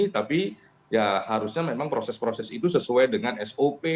tapi ya harusnya memang proses proses itu sesuai dengan sop